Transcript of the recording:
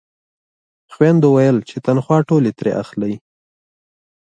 خویندو ویل چې تنخوا ټولې ترې اخلئ.